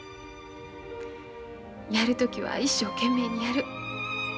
やる時は一生懸命にやる。